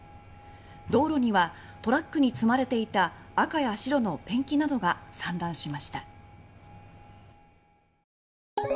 道路にはトラックに積まれていた赤や白のペンキなどが散乱しました。